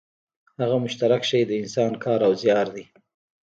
هغه مشترک شی د انسان کار او زیار دی